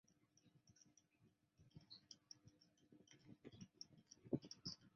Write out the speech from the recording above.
毛叶木姜子为樟科木姜子属下的一个种。